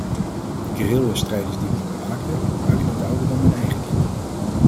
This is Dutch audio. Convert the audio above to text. De guerrillastrijders die mij bewaakten, waren niet ouder dan mijn eigen kinderen.